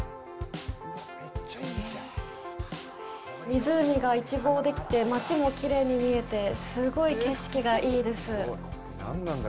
湖が一望できて、街もきれいに見えて、すごい景色がいいです。